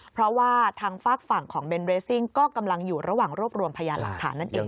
เพราะว่าทางฝากฝั่งของเบนเรสซิ่งก็กำลังอยู่ระหว่างรวบรวมพยานหลักฐานนั่นเอง